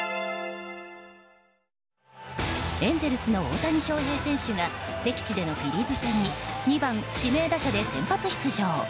エンゼルスの大谷翔平選手が敵地でのフィリーズ戦に２番指名打者で先発出場。